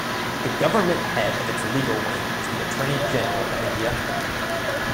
The government head of its legal wing is the Attorney General of India.